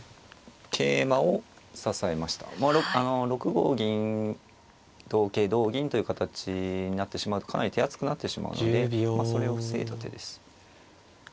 ６五銀同桂同銀という形になってしまうとかなり手厚くなってしまうのでそれを防いだ手です。